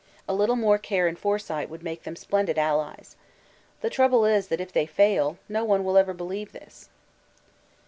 A little more care and foresight would make them splendid allies. The trouble is that if they fail, no one will ever believe this.